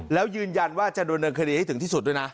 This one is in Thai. แล้วยืนยันว่าจะโดนเนินคดีให้ถึงที่สุดด้วยนะ